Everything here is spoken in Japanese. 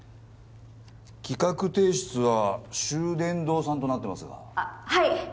企画提出は秀伝堂さんとなってますがはい